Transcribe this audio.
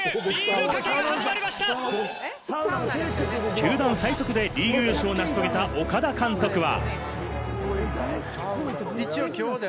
球団最速でリーグ優勝を成し遂げた岡田監督は。